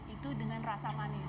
itu dengan rasa manis